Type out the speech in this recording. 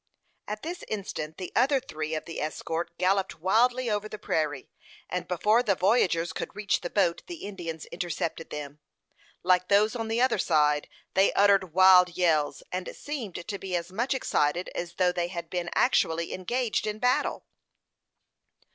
At this instant the other three of the escort galloped wildly over the prairie, and before the voyagers could reach the boat the Indians intercepted them. Like those on the other side, they uttered wild yells, and seemed to be as much excited as though they had been actually engaged in battle.